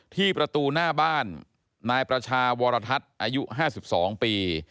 ที่ประตูหน้าบ้านนายประชาวรทัศน์อายุ๕๒ปี